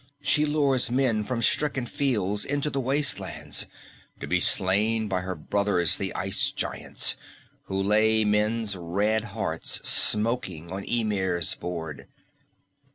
She lures men from stricken fields into the wastelands to be slain by her brothers, the ice giants, who lay men's red hearts smoking on Ymir's board.